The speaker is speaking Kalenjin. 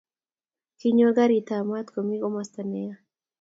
kinyor karit ab maat komii komasta ne ya